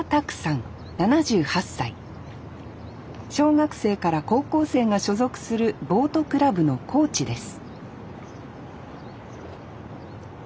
小学生から高校生が所属するボートクラブのコーチです